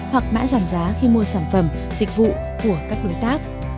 hoặc mã giảm giá khi mua sản phẩm dịch vụ của